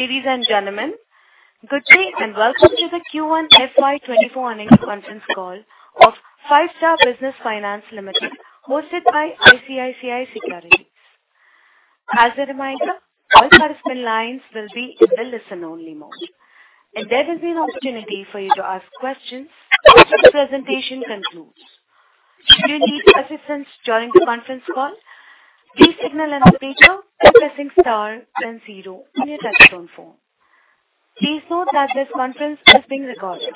Ladies and gentlemen, good day, and welcome to the Q1 FY24 earnings conference call of Five-Star Business Finance Limited, hosted by ICICI Securities. As a reminder, all participant lines will be in the listen-only mode, and there will be an opportunity for you to ask questions once the presentation concludes. Should you need assistance during the conference call, please signal an operator by pressing star 0 on your telephone phone. Please note that this conference is being recorded.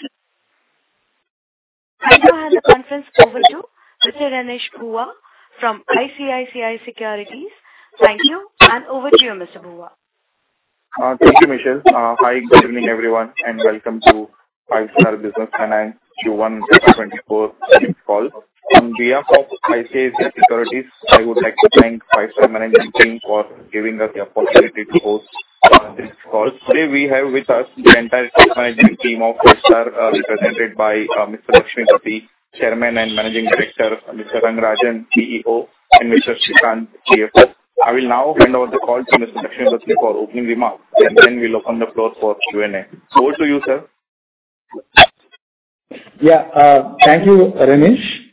I now hand the conference over to Mr. Renish Bhuva from ICICI Securities. Thank you, and over to you, Mr. Buwa. Thank you, Michelle. Hi, good evening, everyone, and welcome to Five-Star Business Finance Q1 FY 2024 earnings call. On behalf of ICICI Securities, I would like to thank Five-Star management team for giving us the opportunity to host this call. Today we have with us the entire top management team of Five-Star, represented by Mr. Lakshmipathi, Chairman and Managing Director, Mr. Rangarajan, CEO, and Mr. Srikanth, CFO. I will now hand over the call to Mr. Lakshmipathi for opening remarks, and then we'll open the floor for Q&A. Over to you, sir. Yeah. Thank you, Renish.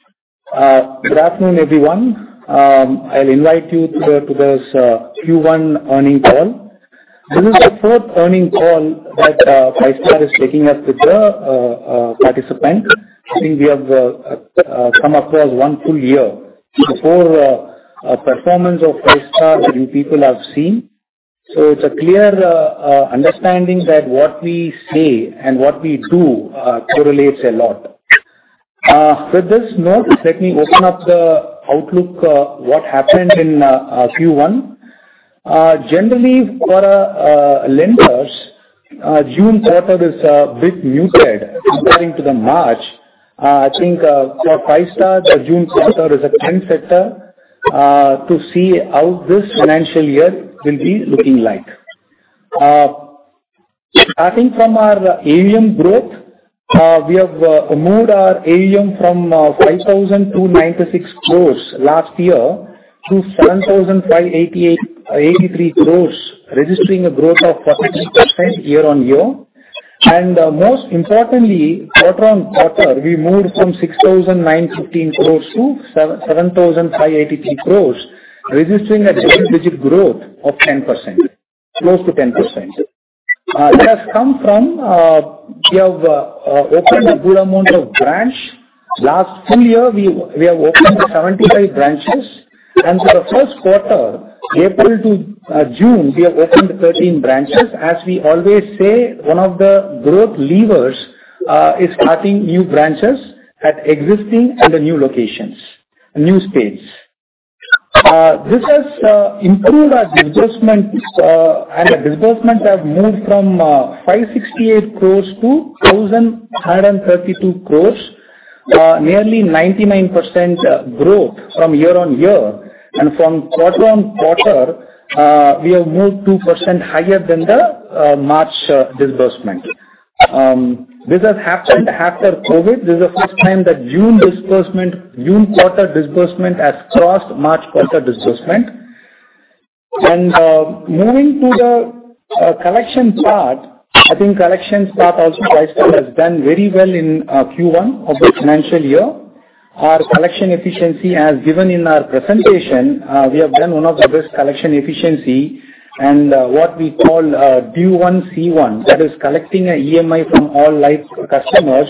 Good afternoon, everyone. I'll invite you to this Q1 earning call. This is the fourth earning call that Five Star is taking up with the participant. I think we have come across one full year. The four performance of Five Star, you people have seen, so it's a clear understanding that what we say and what we do correlates a lot. With this note, let me open up the outlook, what happened in Q1. Generally, for lenders, June quarter is a bit muted comparing to the March. I think for Five Star, the June quarter is a trend setter to see how this financial year will be looking like. Starting from our AUM growth, we have moved our AUM from 5,296 crore last year to 7,583 crore, registering a growth of 14% year-on-year. Most importantly, quarter-on-quarter, we moved from 6,915 crore to 7,583 crore, registering a double-digit growth of 10%, close to 10%. It has come from, we have opened a good amount of branch. Last full year, we have opened 75 branches, and for the first quarter, April to June, we have opened 13 branches. As we always say, one of the growth levers, is starting new branches at existing and the new locations, new states. This has improved our disbursements, and the disbursement have moved from 568 crore to 1,132 crore, nearly 99% growth from year-on-year. From quarter-on-quarter, we have moved 2% higher than the March disbursement. This has happened after COVID. This is the first time that June disbursement, June quarter disbursement has crossed March quarter disbursement. Moving to the collection part, I think collection part also, Five-Star has done very well in Q1 of the financial year. Our collection efficiency, as given in our presentation, we have done one of the best collection efficiency and, what we call, D1 C1, that is collecting a EMI from all live customers,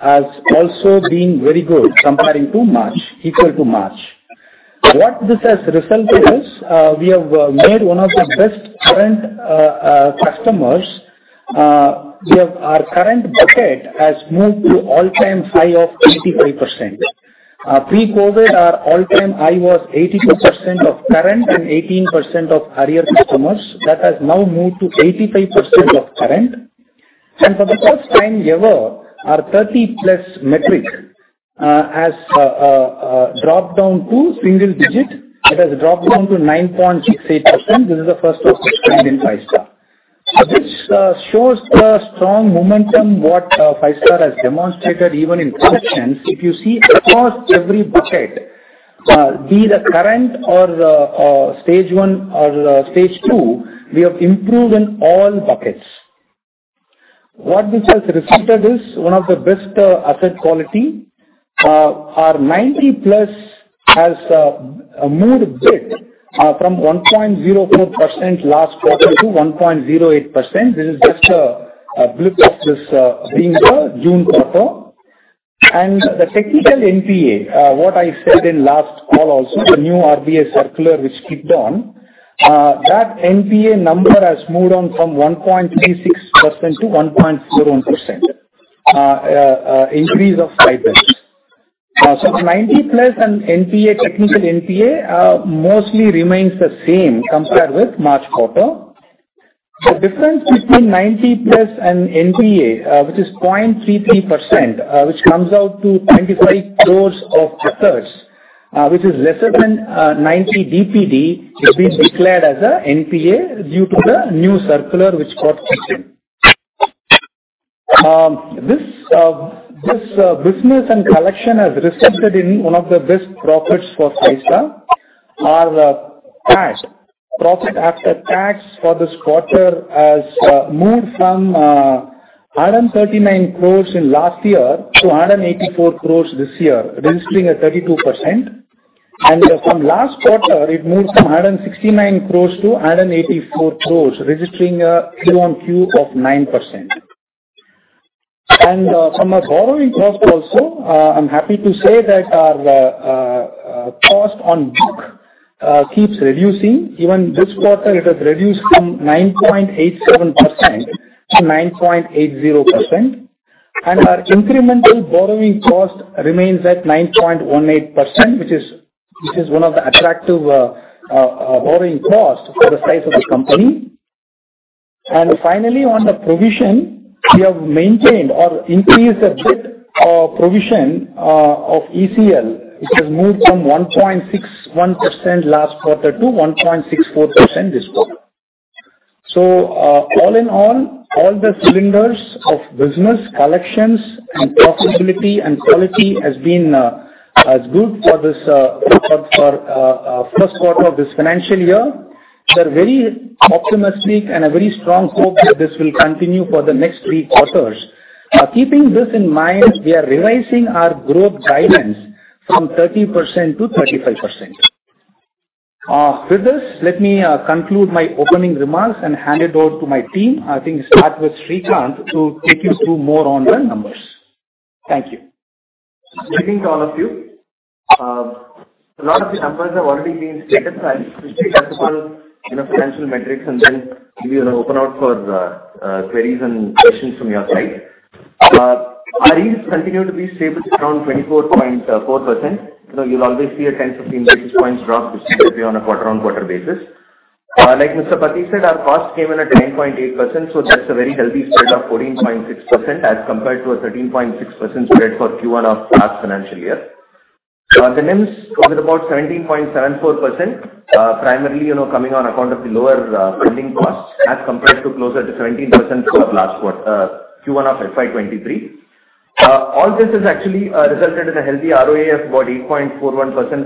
has also been very good comparing to March, equal to March. What this has resulted is, we have made one of the best current customers. We have our current bucket has moved to all-time high of 85%. Pre-COVID, our all-time high was 82% of current and 18% of arrear customers. That has now moved to 85% of current. For the first time ever, our 30-plus metric has dropped down to single digit. It has dropped down to 9.68%. This is the first time in Five-Star. This shows the strong momentum what Five-Star has demonstrated even in collections. If you see across every bucket, be the current or stage 1 or stage 2, we have improved in all buckets. What this has resulted is one of the best asset quality. Our 90-plus has moved a bit from 1.04% last quarter to 1.08%. This is just a blip of this being the June quarter. The technical NPA, what I said in last call also, the new RBI circular which kicked on, that NPA number has moved on from 1.36% to 1.41%, increase of 5 basis. The 90-plus and NPA, technical NPA, mostly remains the same compared with March quarter. The difference between 90-plus and NPA, which is 0.33%, which comes out to 25 crores of arrears, which is lesser than 90 DPD, which is declared as a NPA due to the new circular which got issued. This, business and collection has resulted in one of the best profits for SISA. Our tax, profit after tax for this quarter has moved from 139 crore in last year to 184 crore this year, registering at 32%. From last quarter, it moved from 169 crore to 184 crore, registering a Q on Q of 9%. From our borrowing cost also, I'm happy to say that our cost on book keeps reducing. Even this quarter, it has reduced from 9.87% to 9.80%, and our incremental borrowing cost remains at 9.18%, which is, which is one of the attractive borrowing costs for the size of the company. Finally, on the provision, we have maintained or increased a bit provision of ECL, which has moved from 1.61% last quarter to 1.64% this quarter. All in all, all the cylinders of business, collections, and profitability and quality has been good for this for for first quarter of this financial year. We're very optimistic and a very strong hope that this will continue for the next 3 quarters. Keeping this in mind, we are revising our growth guidance from 30% to 35%. With this, let me conclude my opening remarks and hand it over to my team. I think start with Srikanth to take you through more on the numbers. Thank you. Good evening to all of you. A lot of the numbers have already been stated. I'll just take up all, you know, financial metrics and then give you an open out for queries and questions from your side. Our yields continue to be stable at around 24.4%. You know, you'll always see a 10-15 basis points drop, which seems to be on a quarter-over-quarter basis. Like Mr. Parthiv said, our cost came in at 9.8%. That's a very healthy spread of 14.6%, as compared to a 13.6% spread for Q1 of last financial year. The NIMs is about 17.74%, primarily, you know, coming on account of the lower funding costs, as compared to closer to 17% for last quarter, Q1 of FY 2023. All this has actually resulted in a healthy ROA of about 8.41%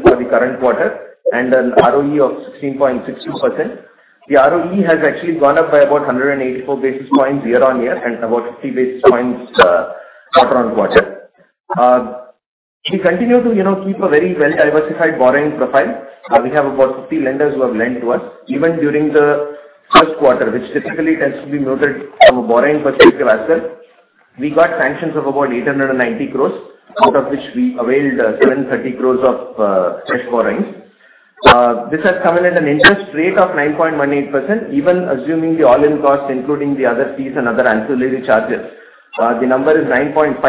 for the current quarter and an ROE of 16.62%. The ROE has actually gone up by about 184 basis points year-on-year and about 50 basis points quarter-on-quarter. We continue to, you know, keep a very well-diversified borrowing profile. We have about 50 lenders who have lent to us. Even during the first quarter, which typically tends to be noted of a borrowing particular as well. We got sanctions of about 890 crore, out of which we availed, 730 crore of, fresh borrowings. This has come in at an interest rate of 9.18%. Even assuming the all-in cost, including the other fees and other ancillary charges, the number is 9.5%.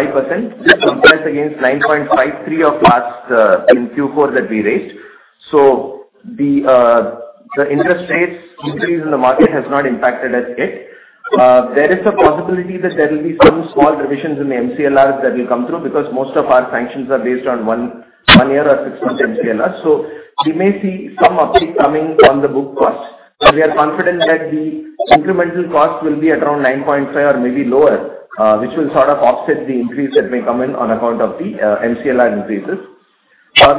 This compares against 9.53% of last, in Q4 that we raised. The, the interest rates increase in the market has not impacted us yet. There is a possibility that there will be some small revisions in the MCLR that will come through, because most of our sanctions are based on 1, 1 year or 6-month MCLR. We may see some uptick coming from the book cost, but we are confident that the incremental cost will be around 9.5 or maybe lower, which will sort of offset the increase that may come in on account of the MCLR increases.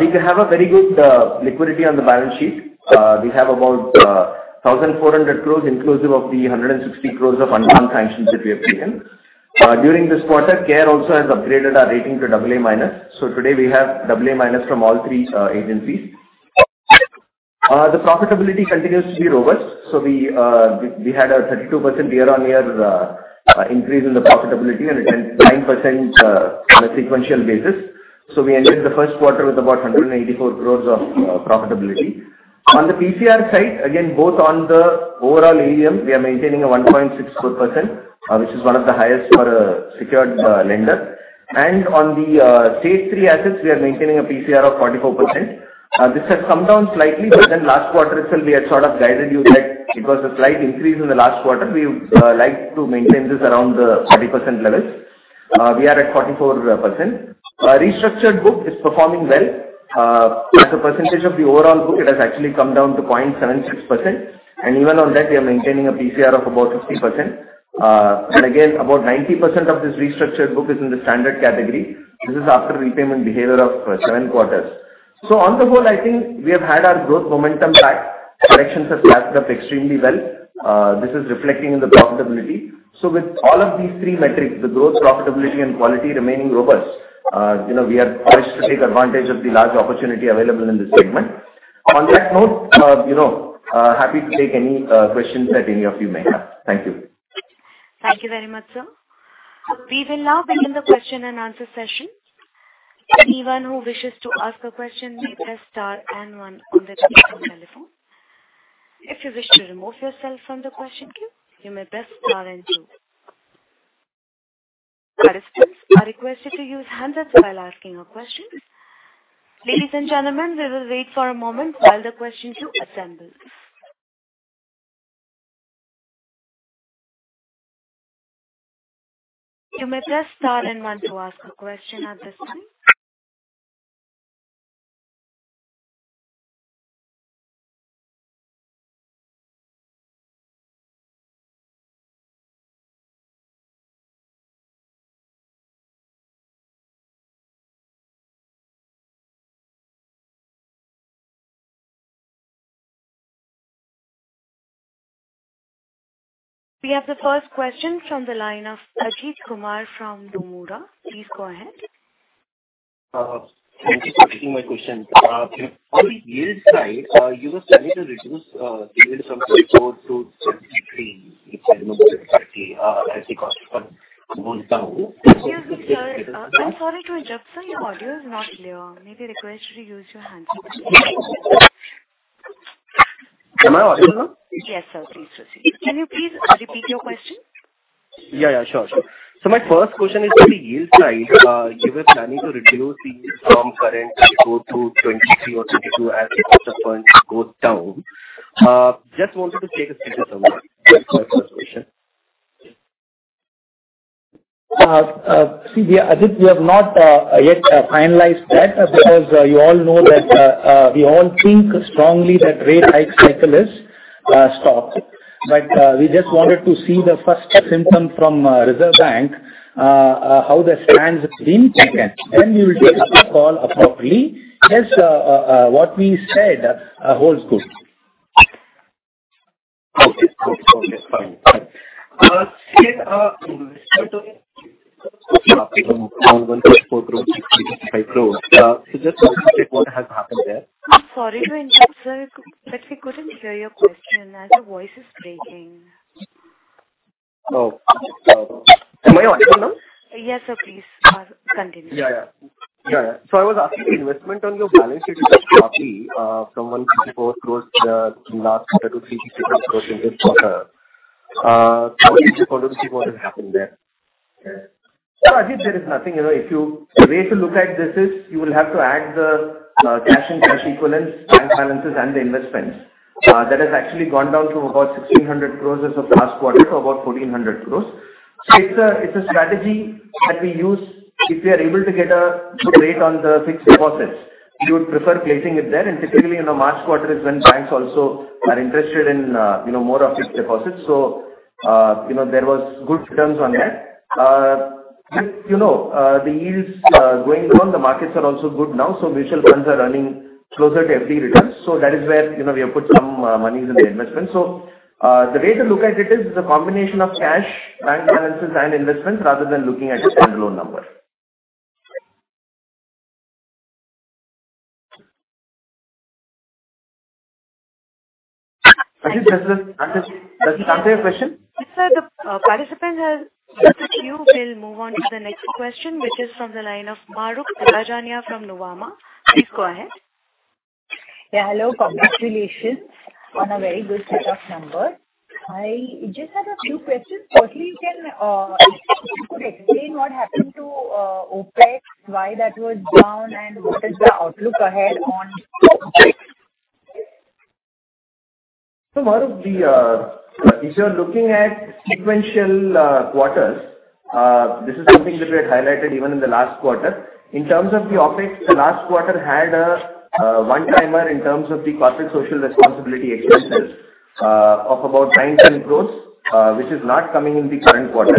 We can have a very good liquidity on the balance sheet. We have about 1,400 crore, inclusive of the 160 crore of advanced sanctions that we have taken. During this quarter, CARE also has upgraded our rating to AA-, today we have AA- from all three agencies. The profitability continues to be robust, we had a 32% year-on-year increase in the profitability and a 10.9% on a sequential basis. We ended the first quarter with about 184 crore of profitability. On the PCR side, again, both on the overall AUM, we are maintaining a 1.64%, which is one of the highest for a secured lender. On the stage three assets, we are maintaining a PCR of 44%. This has come down slightly, but then last quarter itself, we had sort of guided you that it was a slight increase in the last quarter. We would like to maintain this around the 40% levels. We are at 44%. Restructured book is performing well. As a percentage of the overall book, it has actually come down to 0.76%, and even on that, we are maintaining a PCR of about 50%. Again, about 90% of this restructured book is in the standard category. This is after repayment behavior of 7 quarters. On the whole, I think we have had our growth momentum back. Collections have stacked up extremely well. This is reflecting in the profitability. With all of these three metrics, the growth, profitability, and quality remaining robust, you know, we are poised to take advantage of the large opportunity available in this segment. On that note, you know, happy to take any questions that any of you may have. Thank you. Thank you very much, sir. We will now begin the question-and-answer session. Anyone who wishes to ask a question may press star and 1 on their telephone. If you wish to remove yourself from the question queue, you may press star and 2. Participants are requested to use handouts while asking a question. Ladies and gentlemen, we will wait for a moment while the questions you assemble. You may press star and 1 to ask a question at this time. We have the first question from the line of Ajit Kumar from Nomura. Please go ahead. Thank you for taking my question. On the yield side, you were planning to reduce, yield from 4 to 63, if I remember correctly, as the cost come down. Excuse me, sir. I'm sorry to interrupt, sir, your audio is not clear. May be requested to use your handset. Am I audible now? Yes, sir. Please proceed. Can you please repeat your question? Yeah, sure. My first question is, on the yield side, you were planning to reduce the yield from current 34 to 23 or 22 as the cost of funds goes down. Just wanted to take a status on that. That's my first question. e have not yet finalized that because you all know that we all think strongly that rate hike cycle is stopped. But we just wanted to see the first symptom from Reserve Bank, how the stance is being taken, then we will take a call appropriately. Yes, what we said holds good. Okay, cool. Okay, fine. Still, I'm sorry to interrupt, sir, but we couldn't hear your question, as your voice is breaking. Oh, am I audible now? Yes, sir, please, continue. Yeah, I was asking, the investment on your balance sheet has dropped, from 154 crores, last quarter to 354 crores in this quarter. I just wanted to see what has happened there. Yeah, Ajit, there is nothing, you know, if you... The way to look at this is, you will have to add the cash and cash equivalents, bank balances, and the investments. That has actually gone down to about 1,600 crore as of last quarter, to about 1,400 crore. It's a, it's a strategy that we use if we are able to get a good rate on the fixed deposits, we would prefer placing it there. Typically, you know, March quarter is when banks also are interested in, you know, more of fixed deposits. You know, there was good returns on that. With, you know, the yields going down, the markets are also good now, so mutual funds are earning closer to FD returns. That is where, you know, we have put some monies in the investment. The way to look at it is, it's a combination of cash, bank balances and investments, rather than looking at a standalone number. Ajit, does that answer, does that answer your question? Sir, the participant has left the queue. We'll move on to the next question, which is from the line of Makarand Rajania from Nuvama. Please go ahead. Yeah, hello. Congratulations on a very good set of numbers. I just had a few questions. Firstly, can if you could explain what happened to OpEx, why that was down, and what is the outlook ahead on OpEx? Maruk, the, if you're looking at sequential quarters, this is something that we had highlighted even in the last quarter. In terms of the OpEx, the last quarter had a one-timer in terms of the corporate social responsibility expenses of about 9-10 crore, which is not coming in the current quarter.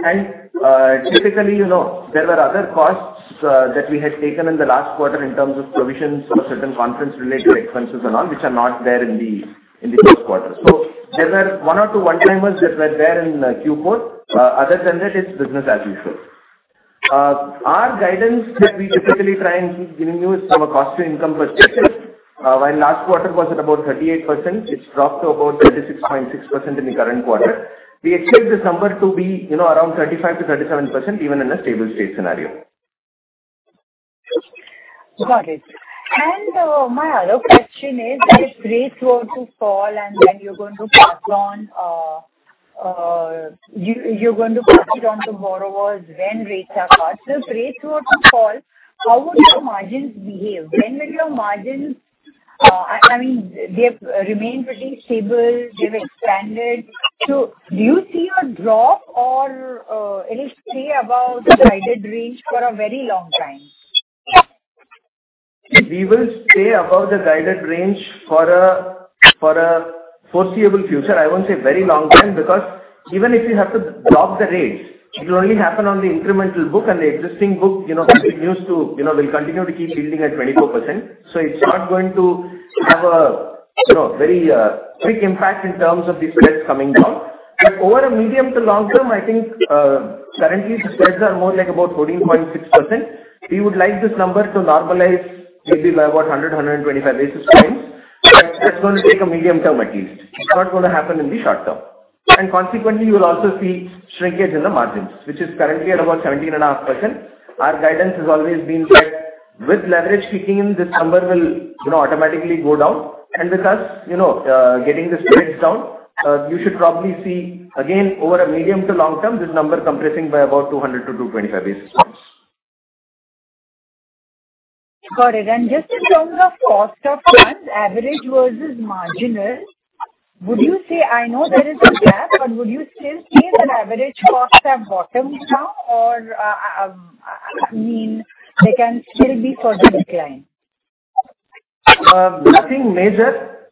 Typically, you know, there were other costs that we had taken in the last quarter in terms of provisions or certain conference-related expenses and all, which are not there in the, in the first quarter. There were 1 or 2 one-timers that were there in Q4. Other than that, it's business as usual. Our guidance that we typically try and keep giving you is from a cost-to-income perspective. While last quarter was at about 38%, it's dropped to about 36.6% in the current quarter. We expect this number to be, you know, around 35%-37%, even in a stable state scenario. Got it. My other question is, as rates were to fall and when you're going to pass on, you, you're going to pass it on to borrowers when rates are passed. As rates were to fall, how would your margins behave? When will your margins... I mean, they've remained pretty stable, they've expanded. Do you see a drop or, it'll stay above the guided range for a very long time? We will stay above the guided range for a foreseeable future. I won't say very long time, because even if you have to drop the rates, it will only happen on the incremental book, and the existing book, you know, will continue to keep yielding at 24%. It's not going to have a, you know, very quick impact in terms of the spreads coming down. Over a medium to long term, I think, currently, the spreads are more like about 14.6%. We would like this number to normalize, maybe by about 100-125 basis points, and that's going to take a medium term at least. It's not going to happen in the short term. Consequently, you will also see shrinkage in the margins, which is currently at about 17.5%. Our guidance has always been that with leverage kicking in, this number will, you know, automatically go down. With us, you know, getting the spreads down, you should probably see again, over a medium to long term, this number compressing by about 200-225 basis points. Got it. Just in terms of cost of funds, average versus marginal? Would you say I know there is a gap, but would you still say that average costs have bottomed now or, I mean, they can still be sort of declined? Nothing major.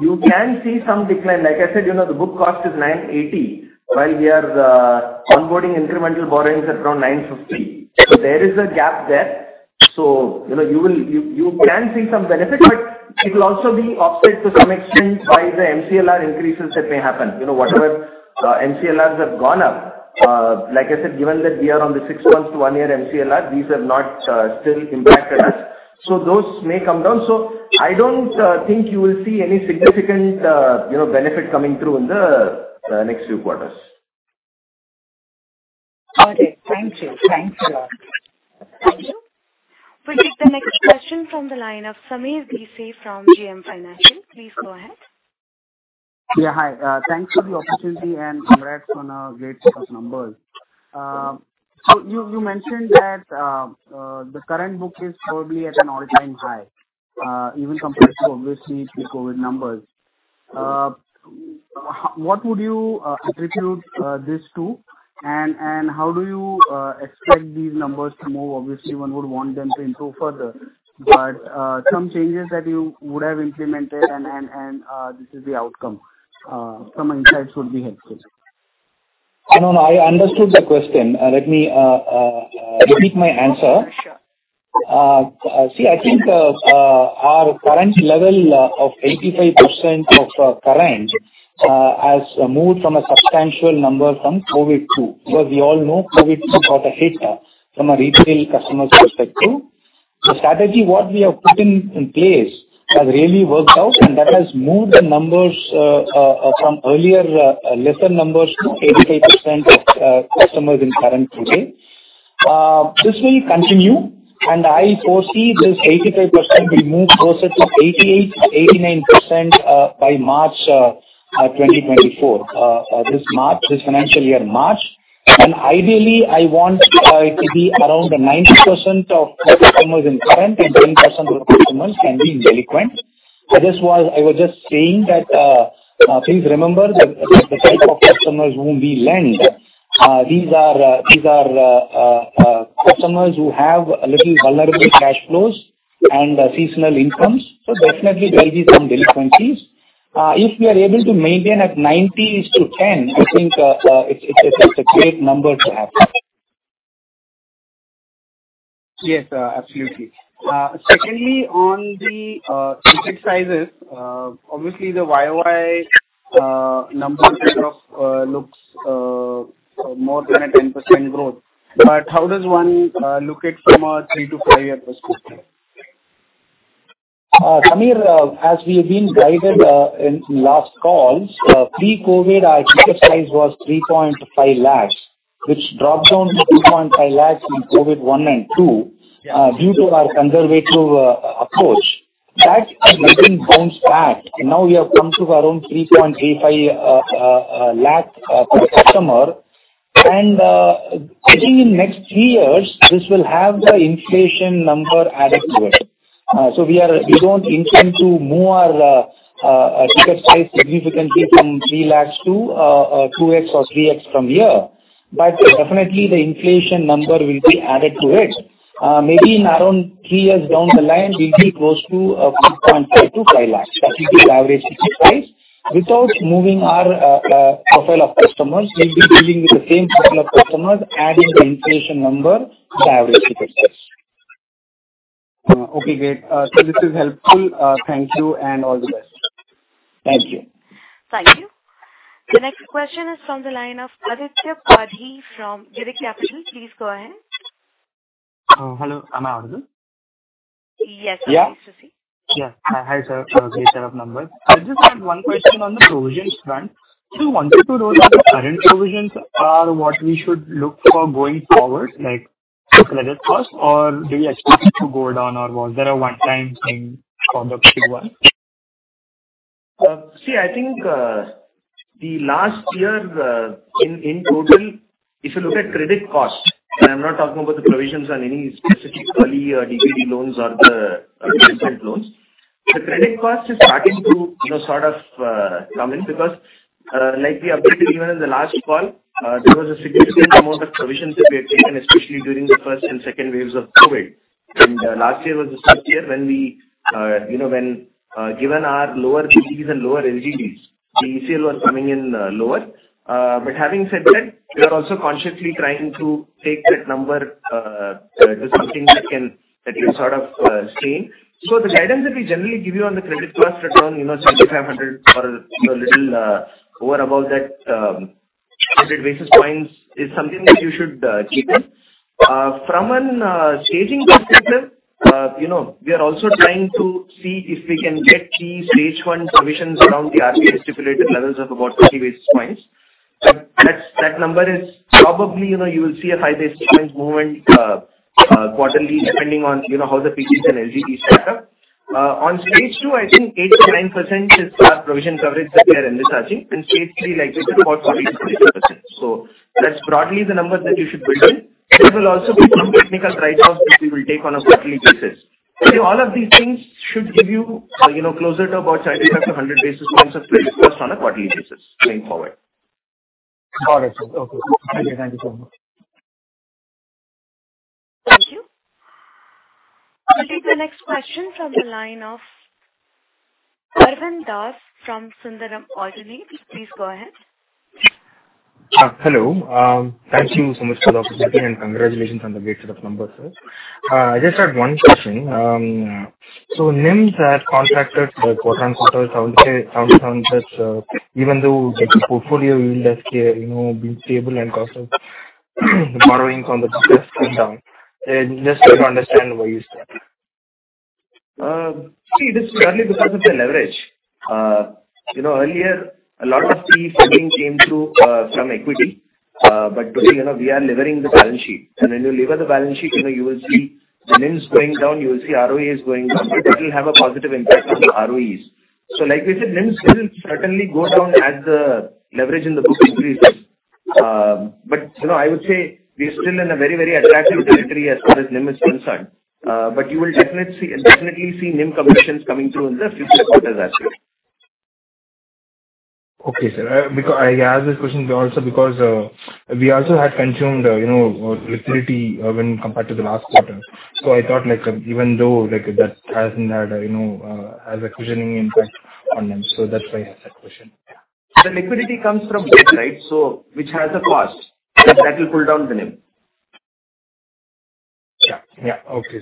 You can see some decline. Like I said, you know, the book cost is 980, while we are onboarding incremental borrowings at around 950. There is a gap there. You know, you can see some benefit, but it will also be offset to some extent by the MCLR increases that may happen. You know, whatever MCLRs have gone up. Like I said, given that we are on the 6 months to 1 year MCLR, these have not still impacted us. Those may come down. I don't think you will see any significant, you know, benefit coming through in the next few quarters. Okay, thank you. Thanks a lot. Thank you. We'll take the next question from the line of Sameer Doshi from JM Financial. Please go ahead. Yeah, hi. Thanks for the opportunity and congrats on a great set of numbers. So you, you mentioned that the current book is probably at an all-time high, even compared to, obviously, pre-COVID numbers. What would you attribute this to? And, and how do you expect these numbers to move? Obviously, one would want them to improve further, but some changes that you would have implemented and, and, and, this is the outcome. Some insights would be helpful. I know. I understood the question. Let me repeat my answer. Sure. See, I think, our current level of 85% of our current has moved from a substantial number from COVID too. Because we all know COVID got a hit from a retail customers perspective. The strategy, what we have put in place, has really worked out, and that has moved the numbers from earlier lesser numbers to 85% of customers in current today. This will continue, and I foresee this 85% will move closer to 88%-89% by March 2024. This March, this financial year, March. Ideally, I want it to be around the 90% of my customers in current, and 10% of the customers can be in delinquent. This was... I was just saying that, please remember that the type of customers whom we lend, these are customers who have a little vulnerable cash flows and seasonal incomes, so definitely there will be some delinquencies. If we are able to maintain at 90s to 10, I think, it's a great number to have. Yes, absolutely. Secondly, on the ticket sizes, obviously the YOY number trade-off looks more than a 10% growth. How does one look at from a 3-5-year perspective? Samir, as we have been guided, in last calls, pre-COVID, our ticket size was 3.5 lakhs, which dropped down to 2.5 lakhs in COVID 1 and 2- Yeah. due to our conservative approach. That has maintained bounced back, and now we have come to around 3.85 lakh per customer. I think in next 3 years, this will have the inflation number added to it. We are-- we don't intend to move our ticket size significantly from 3 lakh to 2x or 3x from here, but definitely the inflation number will be added to it. Maybe in around 3 years down the line, we'll be close to 4.5 lakh-5 lakh. That will be the average ticket size. Without moving our profile of customers, we'll be dealing with the same profile of customers, adding the inflation number, the average ticket size. Okay, great. This is helpful. Thank you, all the best. Thank you. Thank you. The next question is from the line of Aditya Bagarka from Edelweiss Financial Services. Please go ahead. Hello, am I audible? Yes, you are. Yeah. Hi, sir. great set of numbers. I just had one question on the provisions front. wanted to know that the current provisions are what we should look for going forward, like credit cost, or do you expect it to go down, or was there a one-time thing for the Q1? See, I think, the last year in total, if you look at credit cost, and I'm not talking about the provisions on any specifically, DPD loans or the recent loans, the credit cost is starting to, you know, sort of, come in because, like we updated even in the last call, there was a significant amount of provisions that we had taken, especially during the first and second waves of COVID. Last year was a tough year when we, you know, when, given our lower PDs and lower LGDs, the ECL was coming in, lower. But having said that, we are also consciously trying to take that number, to something that can, that will sort of, stay. The guidance that we generally give you on the credit cost return, 2,500 or little over above that, 100 basis points, is something that you should keep in. From an staging perspective, we are also trying to see if we can get the stage one provisions around the RBI stipulated levels of about 50 basis points. That's, that number is probably, you will see a 5 basis points movement quarterly, depending on how the PDPs and LGDs stack up. On stage two, I think 8%-9% is our provision coverage that we are envisaging, and stage three, like I said, about 40%-50%. That's broadly the number that you should build in. There will also be some technical write-offs that we will take on a quarterly basis. All of these things should give you, you know, closer to about 30 to 100 basis points of risk cost on a quarterly basis going forward. Got it, sir. Okay. Thank you. Thank you so much. Thank you. We'll take the next question from the line of Arvind Das from Sundaram Intermediate. Please go ahead. Hello. Thank you so much for the opportunity, and congratulations on the great set of numbers, sir. I just had one question. NIMs have contracted for quarter even though the portfolio yield has, you know, been stable and also the borrowings on the just come down. Just like to understand why is that? See, this is partly because of the leverage. You know, earlier a lot of the funding came through from equity, but today, you know, we are levering the balance sheet. And when you lever the balance sheet, you know, you will see the NIMs going down, you will see ROA is going down, but it will have a positive impact on the ROEs. Like we said, NIMs will certainly go down as the leverage in the book increases. But, you know, I would say we are still in a very, very attractive territory as far as NIM is concerned. But you will definitely see NIM compressions coming through in the future quarters as well. Okay, sir. I asked this question also because, we also had consumed, you know, liquidity, when compared to the last quarter. I thought, like, even though, like, that hasn't had, you know, has a cushioning impact on them. That's why I asked that question. Yeah. The liquidity comes from debt, right? Which has a cost that will pull down the NIM. Yeah. Okay.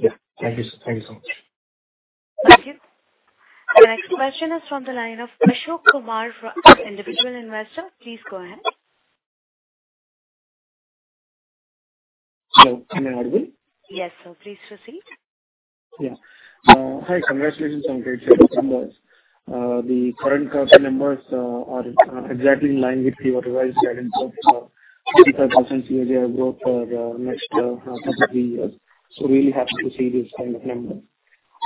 Yeah. Thank you, sir. Thank you so much. Thank you. The next question is from the line of Ashok Kumar from Individual Investor. Please go ahead. Hello, can I audible? Yes, sir, please proceed. Yeah. Hi, congratulations on great set of numbers. The current quarter numbers are exactly in line with your revised guidance of 35% CAGR growth for the next couple of 3 years. Really happy to see this kind of number.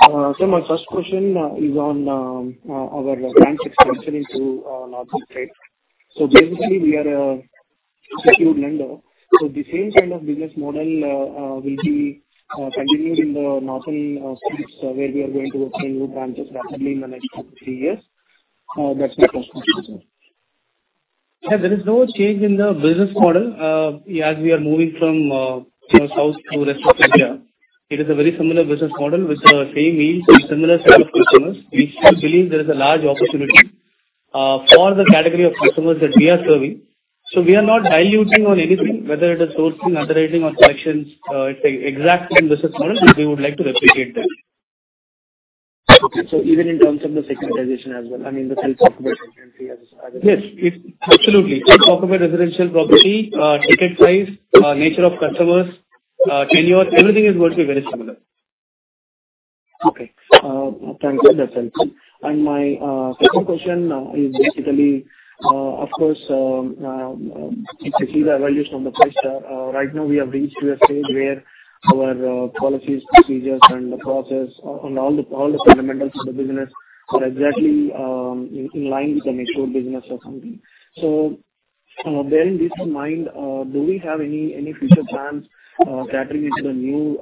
My first question is on our branch expansion into northern state. Basically, we are a secured lender, so the same kind of business model will be continued in the northern states, where we are going to open new branches rapidly in the next couple of 3 years? That's my first question, sir. Yeah, there is no change in the business model, as we are moving from, you know, South to rest of India. It is a very similar business model with the same yield, similar set of customers. We still believe there is a large opportunity, for the category of customers that we are serving. We are not diluting on anything, whether it is sourcing, underwriting or collections. It's the exact same business model, and we would like to replicate that. Okay, even in terms of the securitization as well, I mean, the same securitization as well? Yes, it... Absolutely. Talk about residential property, ticket size, nature of customers, tenure, everything is going to be very similar. Okay. Thank you. That's helpful. My second question is basically, of course, if you see the valuation on the price, right now, we have reached to a stage where our policies, procedures, and the process and all the, all the fundamentals of the business are exactly in, in line with the mature business or something. Bearing this in mind, do we have any, any future plans catering into the new,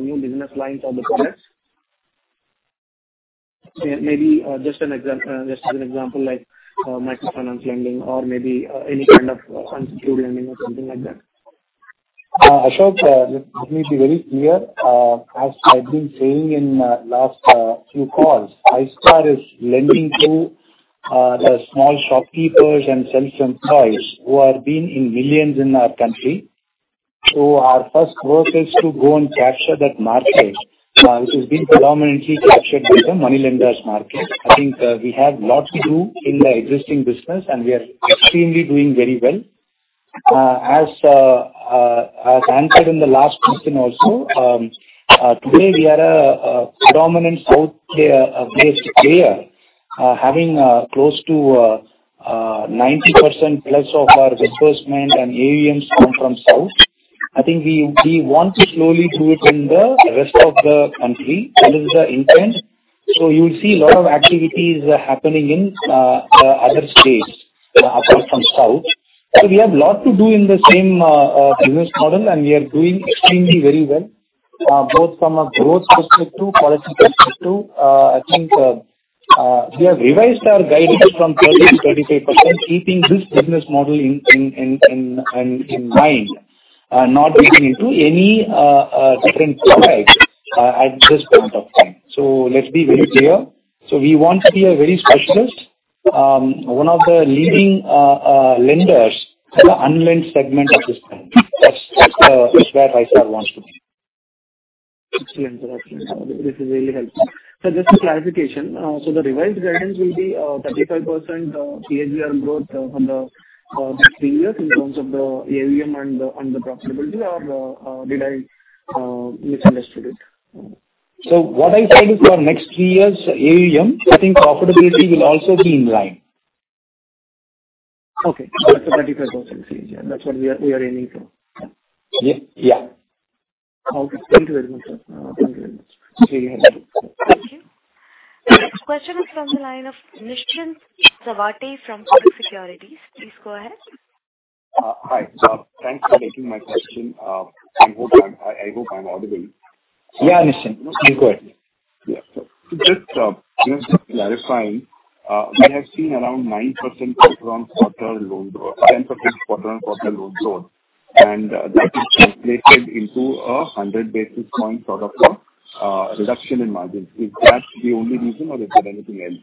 new business lines or the products? Maybe, just as an example, like, microfinance lending or maybe, any kind of unsecured lending or something like that. Ashok, let me be very clear. As I've been saying in last few calls, Ayushar is lending to the small shopkeepers and self-employed who are been in millions in our country. Our first work is to go and capture that market, which has been predominantly captured by the money lenders market. I think we have lot to do in the existing business, and we are extremely doing very well. As I answered in the last question also, today we are a predominant south player, based player, having close to 90% plus of our disbursement and AUMs come from south. I think we, we want to slowly do it in the rest of the country. That is the intent. You will see a lot of activities happening in other states apart from south. We have lot to do in the same business model, and we are doing extremely very well both from a growth perspective, policy perspective. I think we have revised our guidance from 30%-35%, keeping this business model in, in, in, in, in mind, not looking into any different products at this point of time. Let's be very clear. We want to be a very specialist, one of the leading lenders in the unlent segment at this time. That's, that's where Ayushar wants to be. Excellent. This is really helpful. Just a clarification, so the revised guidance will be, 35% CAGR growth on the, next 3 years in terms of the AUM and the, and the profitability or, did I, misunderstood it? What I said is for next three years, AUM, I think profitability will also be in line. Okay. That's a 35% CAGR. That's what we are, we are aiming for. Yeah. Okay. Thank you very much, sir. Thank you very much.... Question is from the line of Nishant Sawant from Kotak Securities. Please go ahead. Hi. Thanks for taking my question. I hope I'm audible. Yeah, Nishant. Go ahead. Yeah. Just, just clarifying, we have seen around 9% quarter-on-quarter loan 10% quarter-on-quarter loan growth, and that is translated into a 100 basis points out of reduction in margins. Is that the only reason or is there anything else?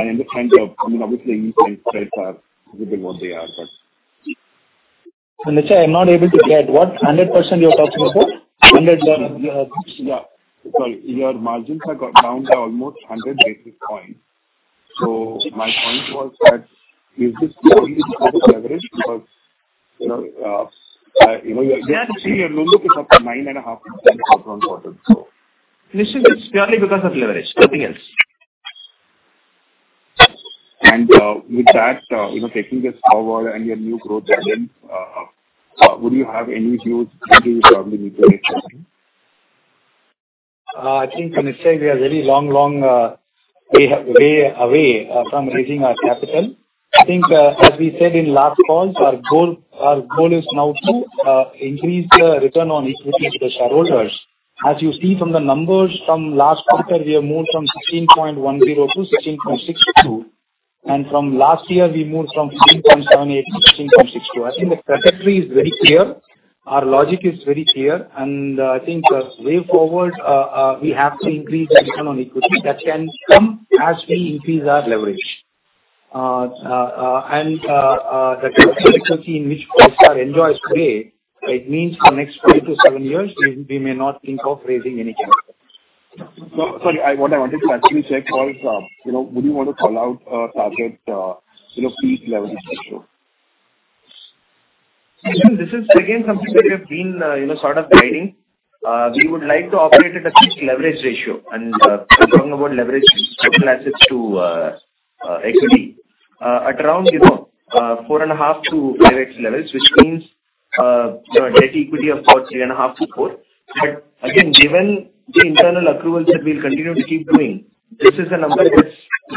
I understand, I mean, obviously, interest rates are little what they are, but- Nishant, I'm not able to get. What? 100% you're talking about? 100. Yeah. Sorry, your margins have got down by almost 100 basis points. My point was that is this only because of leverage? Because, you know, I, you know, we are yet to see your loan book is up to 9.5% quarter-on-quarter, so. Nishant, it's purely because of leverage, nothing else. With that, you know, taking this forward and your new growth agenda, would you have any views when do you probably raise capital? I think, Nishant, we are very long way from raising our capital. I think, as we said in last call, our goal is now to increase the return on equity to the shareholders. As you see from the numbers from last quarter, we have moved from 16.10 to 16.62, and from last year we moved from 16.78 to 16.62. I think the trajectory is very clear, our logic is very clear, I think the way forward, we have to increase the return on equity. That can come as we increase our leverage. The liquidity in which Five-Star enjoys today, it means for next 3 to 7 years, we may not think of raising any capital. Sorry, I wanted to actually check was, you know, would you want to call out a target, you know, peak leverage ratio? This is again something that we have been, you know, sort of guiding. We would like to operate at a peak leverage ratio, and we're talking about leverage total assets to equity at around, you know, 4.5x-5x levels, which means, you know, a debt equity of about 3.5-4. Again, given the internal accruals that we'll continue to keep doing, this is a number that's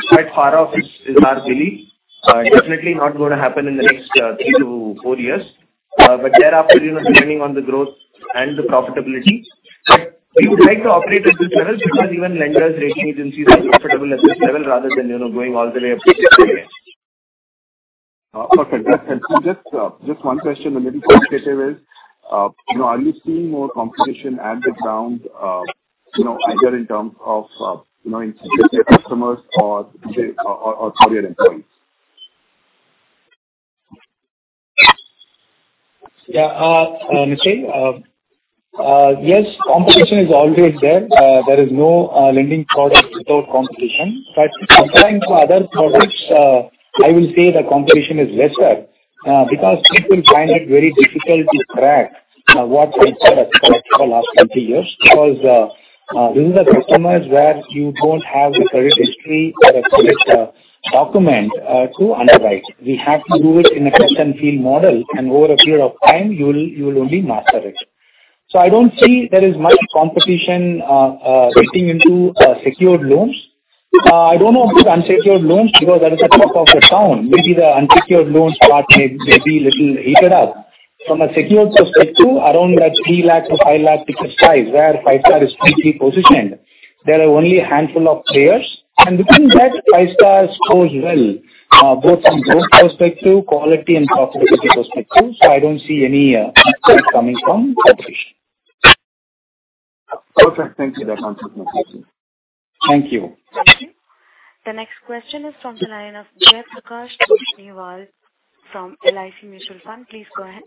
quite far off, is, is our belief. Definitely not going to happen in the next 3-4 years. But thereafter, you know, depending on the growth and the profitability. We would like to operate at this level because even lenders, rating agencies are comfortable at this level rather than, you know, going all the way up to- Okay, that's helpful. Just one question, a little indicative is, you know, are you seeing more competition at the ground, you know, either in terms of, you know, in customers or your employees? Yeah. Nishant, yes, competition is always there. There is no lending product without competition. Compared to other products, I will say the competition is lesser because people find it very difficult to track what we've done for the last 20 years. Because these are the customers where you don't have the credit history or a credit document to underwrite. We have to do it in a touch and feel model, and over a period of time, you'll, you'll only master it. I don't see there is much competition getting into secured loans. I don't know about unsecured loans because that is the talk of the town. Maybe the unsecured loans part may be little heated up. From a secured perspective, around that 3 lakh to 5 lakh ticket size, where Five-Star is completely positioned, there are only a handful of players, and within that, Five-Star scores well, both from growth perspective, quality and profitability perspective, so I don't see any threat coming from competition. Perfect. Thank you. That answers my question. Thank you. Thank you. The next question is from the line of Jay Prakash Joshniwal from LIC Mutual Fund. Please go ahead.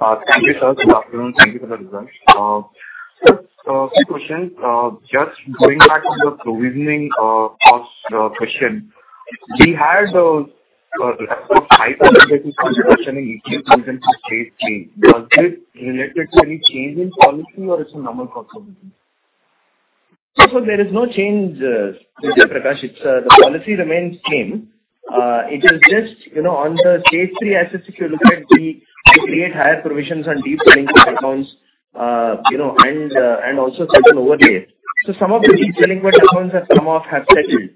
Thank you, sir. Good afternoon. Thank you for the results. Sir, quick question. Just going back to the provisioning, cost, question. We had 500 basis point reduction in stage three. Was this related to any change in policy or it's a number possibility? Far, there is no change, Jay Prakash. It's, the policy remains same. It is just, you know, on the stage three assets, if you look at we, we create higher provisions on these delinquent accounts, you know, and also certain overlay. Some of the delinquent accounts that some of have settled.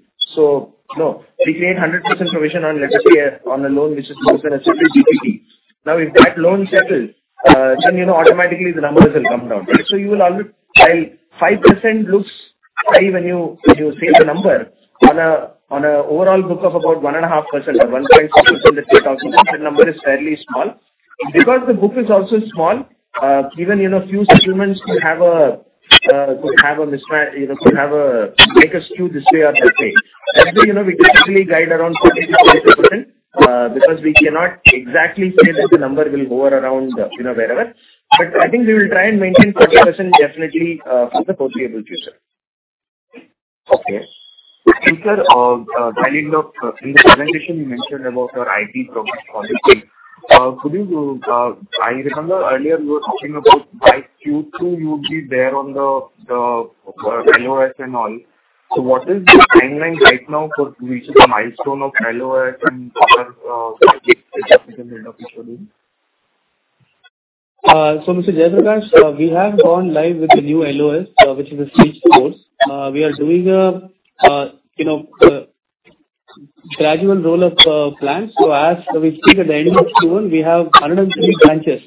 You know, we create 100% provision on, let's say, on a loan which is considered a CDT. Now, if that loan settles, then, you know, automatically the numbers will come down. You will always... While 5% looks high when you, when you say the number, on a, on a overall book of about 1.5% or 1.6%, that number is fairly small. Because the book is also small, even, you know, few settlements could have a, could have a, you know, could have a, make a skew this way or that way. Actually, you know, we typically guide around 40%-50%, because we cannot exactly say that the number will hover around, you know, wherever. But I think we will try and maintain 40% definitely, for the foreseeable future. Okay. Thank you, sir. In the presentation, you mentioned about your IT progress policy. I remember earlier you were talking about by Q2 you'd be there on the LOS and all. What is the timeline right now for reaching the milestone of LOS and our capital build-up schedule? Mr. Jaiprakash, we have gone live with the new LOS, which is a Salesforce. We are doing a, you know, gradual roll up plan. As we see at the end of Q1, we have 103 branches